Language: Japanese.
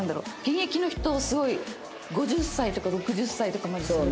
現役の人すごい５０歳とか６０歳とかまで続ける人もいるんで。